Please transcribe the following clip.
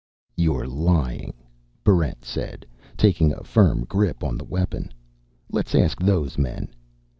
"You're lying," Barrent said, taking a firm grip on the weapon. "Let's ask those men."